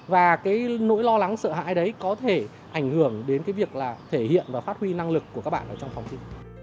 và cái nỗi lo lắng sợ hãi đấy có thể ảnh hưởng đến cái việc là thể hiện và phát huy năng lực của các bạn ở trong phòng thi